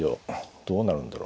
どうなるんだろう。